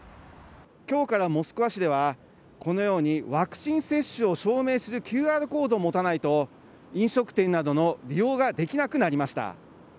きょうからモスクワ市では、このように、ワクチン接種を証明するＱＲコードを持たないと、飲食店などの利用ができなくなりました。